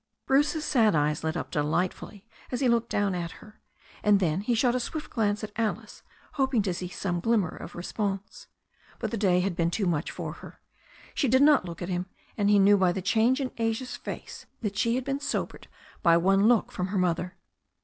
Bruce's sad eyes lit up delightfully as he looked down at her, and then he shot a swift glance at Alice, hoping to see some glimmer of response. But the day had been too much for her. She did not look at him, and he knew by the change in Asia's face that she had been sobered by one look from her mother.